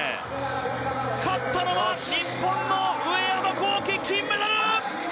勝ったのは日本の上山紘輝金メダル！